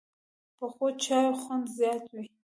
پخو چایو خوند زیات وي